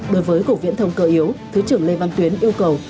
đối với cục viễn thông cơ yếu thứ trưởng lê văn tuyến yêu cầu